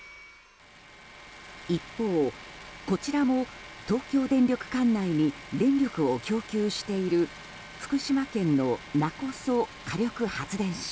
一方、こちらも東京電力管内に電力を供給している福島県の勿来火力発電所。